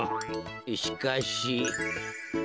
しかし。